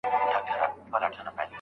د ځنګله پاچا ته نوې دا ناره وه